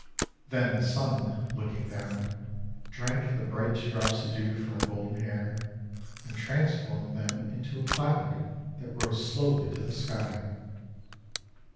Then the Sun, looking down, drank the bright drops of Dew from her golden hair, and trans formed them into a Cloud that rose slowly to the sky.